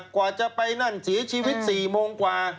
กว่าจะไปนั่นเสียชีวิต๔โมงกว่า